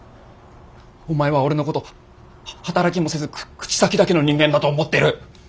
お前は俺のことは働きもせず口先だけの人間だと思ってる。